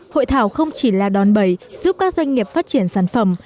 hội thảo không chỉ là đòn bẩy giúp các doanh nghiệp phát triển sản phẩm